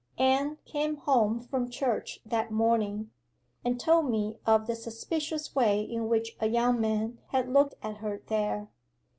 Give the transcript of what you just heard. Anne came home from church that morning, and told me of the suspicious way in which a young man had looked at her there.